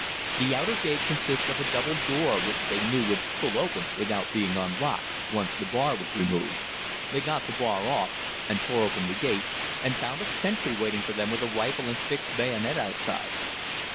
The outer gate consists of a double door which they knew would pull open without being unlocked, once the bar was removed. They got the bar off and tore open the gate, and found a sentry waiting for them with a rifle and fixed bayonet outside.